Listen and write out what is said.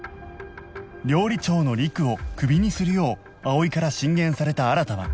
料理長のりくをクビにするよう葵から進言された新は